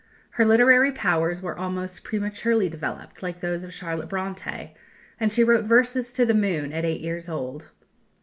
Her literary powers were almost prematurely developed, like those of Charlotte Bronté, and she wrote verses to the Moon at eight years old.